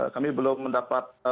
kami belum mendapatkan